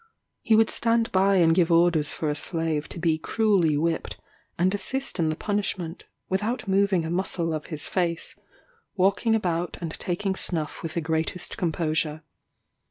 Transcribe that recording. He would stand by and give orders for a slave to be cruelly whipped, and assist in the punishment, without moving a muscle of his face; walking about and taking snuff with the greatest composure.